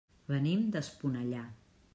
Venim d'Esponellà.